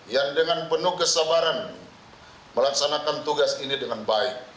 yang dengan penuh kesabaran melaksanakan tugas ini dengan baik